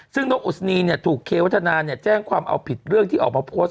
ซึ่งนกอุศนีถูกเควัฒนาแจ้งความเอาผิดเรื่องที่ออกมาโพสต์